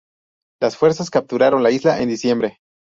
Las fuerzas capturaron la isla en diciembre.